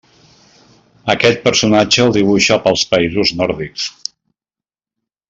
Aquest personatge el dibuixa pels Països nòrdics.